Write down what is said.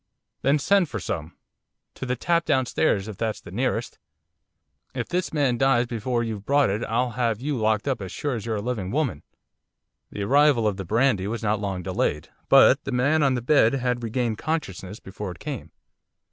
'Then send for some, to the tap downstairs, if that's the nearest! If this man dies before you've brought it I'll have you locked up as sure as you're a living woman.' The arrival of the brandy was not long delayed, but the man on the bed had regained consciousness before it came.